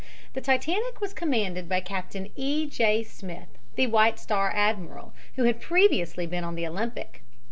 The Titanic was commanded by Captain E. J. Smith, the White Star admiral, who had previously been on the Olympic.